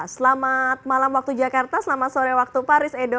selamat malam waktu jakarta selamat sore waktu paris edo